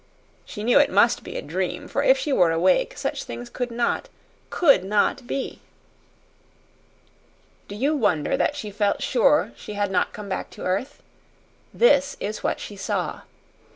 She knew it MUST be a dream, for if she were awake such things could not could not be. Do you wonder that she felt sure she had not come back to earth? This is what she saw.